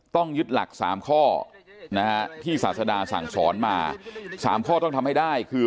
ต้องยึดหลัก๓ข้อนะฮะที่ศาสดาสั่งสอนมา๓ข้อต้องทำให้ได้คือ